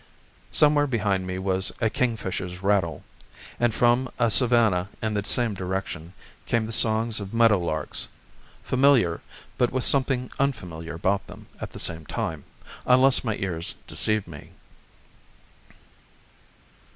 Somewhere behind me was a kingfisher's rattle, and from a savanna in the same direction came the songs of meadow larks; familiar, but with something unfamiliar about them at the same time, unless my ears deceived me.